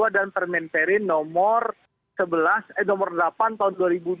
dan permen perint nomor delapan tahun dua ribu dua puluh dua